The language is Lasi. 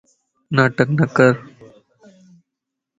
ناٽڪ نڪر